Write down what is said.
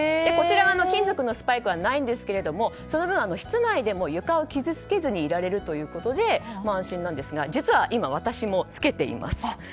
こちらは金属のスパイクはないんですけどもその分、室内でも床を傷つけずにいられるということで安心なんですが実は今、私もつけています。